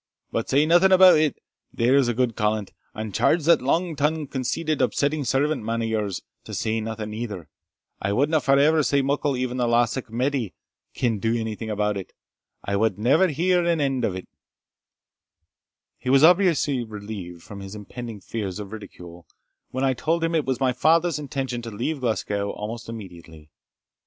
But say naething about it there's a gude callant; and charge that lang tongued, conceited, upsetting serving man o' yours, to sae naething neither. I wadna for ever sae muckle that even the lassock Mattie ken'd onything about it. I wad never hear an end o't." He was obviously relieved from his impending fears of ridicule, when I told him it was my father's intention to leave Glasgow almost immediately.